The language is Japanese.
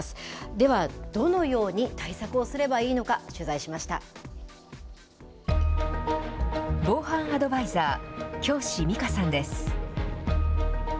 では、どのように対策をすればい防犯アドバイザー、京師美佳さんです。